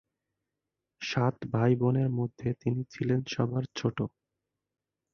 সাত ভাই-বোনের মধ্যে তিনি ছিলেন সবার ছোট।